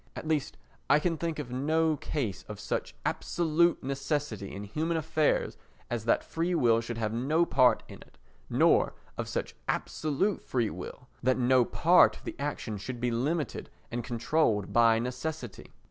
At least I can think of no case of such absolute necessity in human affairs as that free will should have no part in it, nor of such absolute free will that no part of the action should be limited and controlled by necessity.